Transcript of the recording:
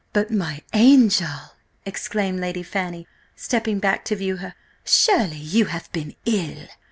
"But, my angel!" exclaimed Lady Fanny, stepping back to view her, "surely you have been ill?"